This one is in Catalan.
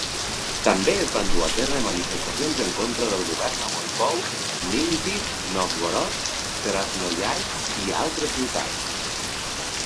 També es van dur a terme manifestacions en contra del govern a Moscou, Nijni Nóvgorod, Krasnoiarsk i a altres ciutats.